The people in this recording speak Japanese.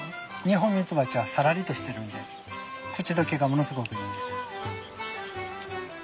ニホンミツバチはサラリとしてるんで口溶けがものすごくいいんです。